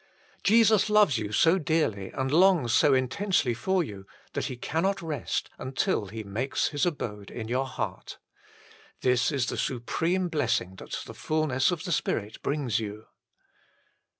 Jesus loves you so dearly and longs so intensely for you that He cannot rest until He makes His abode in your heart. This is the supreme blessing that the fulness of the Spirit brings you.